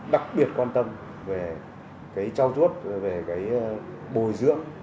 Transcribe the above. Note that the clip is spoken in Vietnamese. đặc biệt quan tâm về cái trao chuốt về cái bồi dưỡng